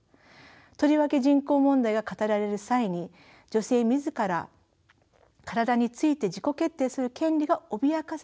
とりわけ人口問題が語られる際に女性自ら体について自己決定する権利が脅かされることはあってはいけません。